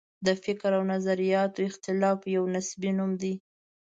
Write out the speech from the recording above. د فکر او نظریاتو اختلاف یو نصبي نوم دی.